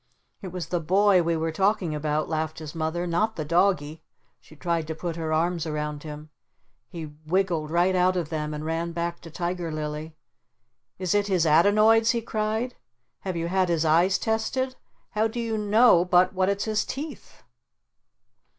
"It was the boy we were talking about," laughed his Mother. "Not the doggie." She tried to put her arms around him. He wiggled right out of them and ran back to Tiger Lily. "Is it his adenoids?" he cried. "Have you had his eyes tested? How do you know but what it's his teeth?"